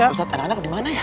pusat anak anak dimana ya